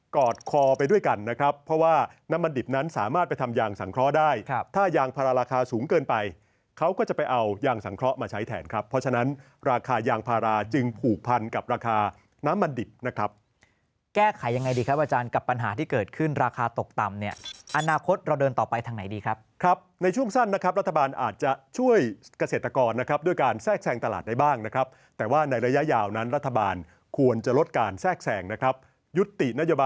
คอดคอไปด้วยกันนะครับเพราะว่าน้ำมันดิบนั้นสามารถไปทำยางสังเคราะห์ได้ถ้ายางพาราราคาสูงเกินไปเขาก็จะไปเอายางสังเคราะห์มาใช้แทนครับเพราะฉะนั้นราคายางพาราจึงผูกพันกับราคาน้ำมันดิบนะครับแก้ไขยังไงดีครับอาจารย์กับปัญหาที่เกิดขึ้นราคาตกต่ำเนี่ยอนาคตเราเดินต่อไปทางไหนดีครับครับใน